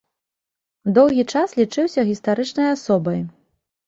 Доўгі час лічыўся гістарычнай асобай.